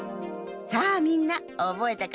さあみんなおぼえたかしら？